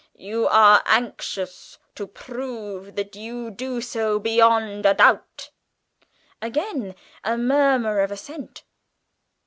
"You are anxious to prove that you do so beyond a doubt." (Again a murmur of assent.)